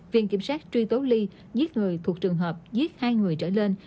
viện kiểm sát truy tố ly giết người thuộc trường hợp giết hai người trở lên